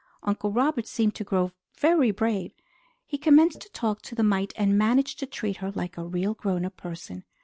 Uncle Robert seemed to grow very brave. He commenced to talk to the mite and managed to treat her like a really grown up person.